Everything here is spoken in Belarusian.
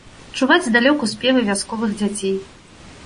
Чуваць здалёку спевы вясковых дзяцей.